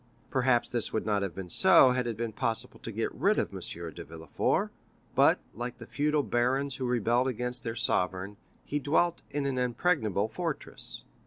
Perhaps this would not have been so had it been possible to get rid of M. de Villefort; but, like the feudal barons who rebelled against their sovereign, he dwelt in an impregnable fortress.